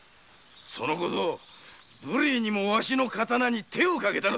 その小僧無礼にもわしの刀に手をかけたのだ。